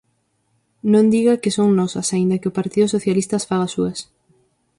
Non diga que son nosas, aínda que o Partido Socialista as faga súas.